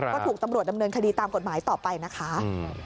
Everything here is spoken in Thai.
ก็ถูกตำรวจดำเนินคดีตามกฎหมายต่อไปนะคะ